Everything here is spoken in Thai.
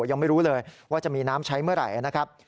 ยังไม่รู้เลยว่าจะมีน้ำใช้เมื่อไหร่นะครับ